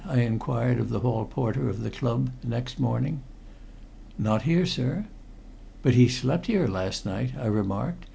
I inquired of the hall porter of the club next morning. "Not here, sir." "But he slept here last night," I remarked.